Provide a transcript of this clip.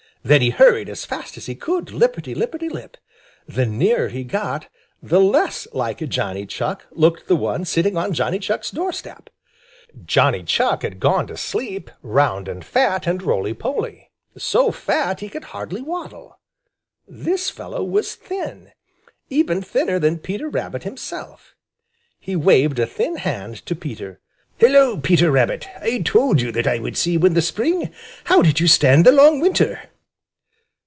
Then he hurried as fast as he could, lipperty lipperty lip. The nearer he got, the less like Johnny Chuck looked the one sitting on Johnny Chuck's door step. Johnny Chuck had gone to sleep round and fat and roly poly, so fat he could hardly waddle. This fellow was thin, even thinner than Peter Rabbit himself. He waved a thin hand to Peter. "Hello, Peter Rabbit! I told you that I would see you in the spring. How did you stand the long winter?"